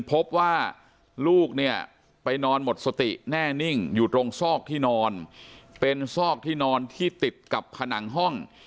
พบว่าลูกเนี่ยไปนอนหมดสติแน่นิ่งอยู่ตรงซอกที่นอนเป็นซอกที่นอนที่ติดกับผนังห้อง